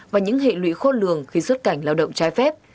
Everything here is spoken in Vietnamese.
và những hệ lụy khôn lường khi xuất cảnh lao động trái phép